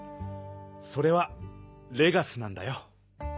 それはレガスなんだよ。